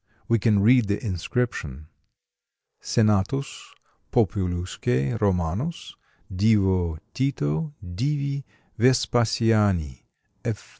We can read the inscription: SENATUS POPULUSQUE ROMANUS DIVO TITO DIVI VESPASIANI F.